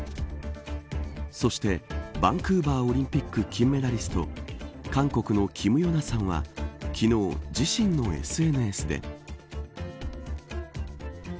そして、バンクーバーオリンピック、金メダリスト韓国のキム・ヨナさんは昨日、自身のＳＮＳで。